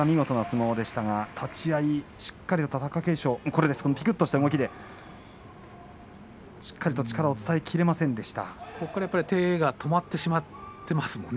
玉鷲は見事な相撲でしたが立ち合いにしっかりと貴景勝、ぴくっとした動きでしっかりと力を伝えきれませんでした。